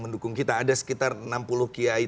mendukung kita ada sekitar enam puluh kiai